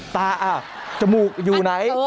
ตาจมูกอยู่ไหน